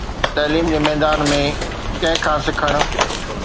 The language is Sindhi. تعليم جي ميدان ۾ ڪنهن کان سکڻ.